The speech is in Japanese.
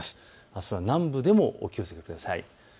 あすは南部でもお気をつけください。